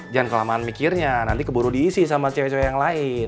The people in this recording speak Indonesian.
jangan kelamaan mikirnya nanti keburu diisi sama cewek cewek yang lain